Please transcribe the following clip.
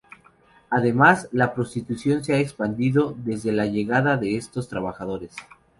Además, la prostitución se ha expandido desde la llegada de estos trabajadores.